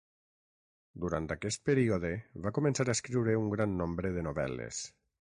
Durant aquest període va començar a escriure un gran nombre de novel·les.